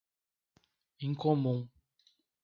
Incomum